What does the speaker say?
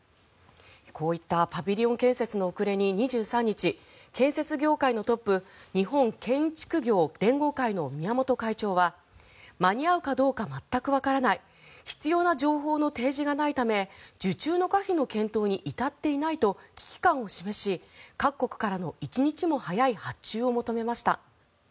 こういったパビリオン建設の遅れに２３日、建設業界のトップ日本建設業連合会の宮本会長は間に合うかどうか全くわからない必要な情報の提示がないため受注の可否の検討に至っていないと危機感を示し各国からの一日も早い発注を求めました。